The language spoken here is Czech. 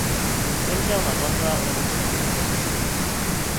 Zemřel na vleklé onemocnění plic.